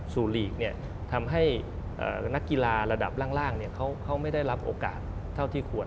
สู่ลีกทำให้นักกีฬาระดับล่างเขาไม่ได้รับโอกาสเท่าที่ควร